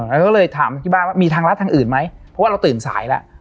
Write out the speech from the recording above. เราก็เลยถามที่บ้านว่ามีทางรัฐทางอื่นไหมเพราะว่าเราตื่นสายแล้ว